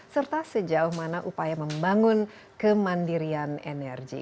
serta sejauh mana upaya membangun kemandirian energi